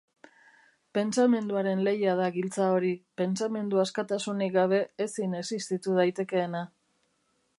Pentsamenduaren lehia da giltza hori, pentsamendu-askatasunik gabe ezin existitu daitekeena.